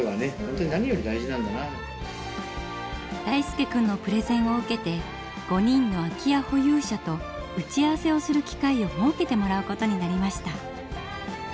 大輔くんのプレゼンを受けて５人の空き家保有者と打ち合わせをする機会を設けてもらうことになりました。